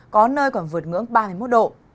có nơi còn vượt ngưỡng ba mươi một độ